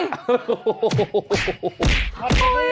โอ้โฮ